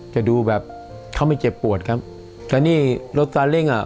จะดูแบบเขาไม่เจ็บปวดครับแต่นี่รถตาเร่งอ่ะ